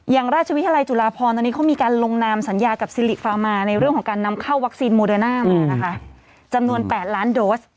ราชวิทยาลัยจุฬาพรตอนนี้เขามีการลงนามสัญญากับซิริฟางมาในเรื่องของการนำเข้าวัคซีนโมเดอร์น่ามานะคะจำนวน๘ล้านโดส